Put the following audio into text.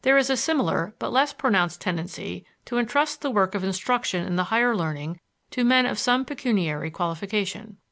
There is a similar but less pronounced tendency to intrust the work of instruction in the higher learning to men of some pecuniary qualification.